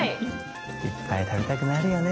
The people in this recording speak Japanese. いっぱい食べたくなるよね！